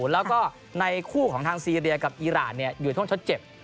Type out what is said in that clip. แล้วก็ในคู่ของทางซีเรียกับอีรานอยู่ช่วงชดเจ็บ